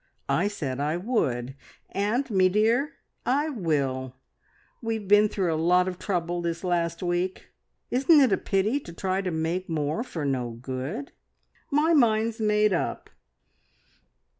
I said I would, and, me dear, I will! We've been through a lot of trouble this last week, isn't it a pity to try to make more for no good? My mind's made up!"